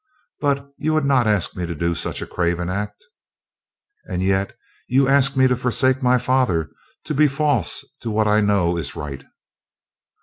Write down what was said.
But you would not ask me to do such a craven act." "And yet you ask me to forsake my father, to be false to what I know is right."